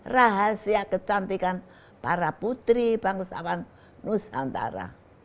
rahasia kecantikan para putri bangsawan nusantara